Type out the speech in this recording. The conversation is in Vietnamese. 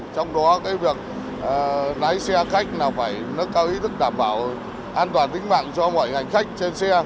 trong đó cái việc lái xe khách là phải nâng cao ý thức đảm bảo an toàn tính mạng cho mọi hành khách trên xe